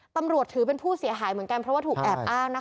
ตำรวจถือเป็นผู้เสียหายเหมือนกันเพราะว่าถูกแอบอ้างนะคะ